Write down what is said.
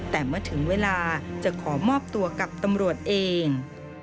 แต่เมื่อถึงเวลาจะขอมอบตัวกับตำรวจเอง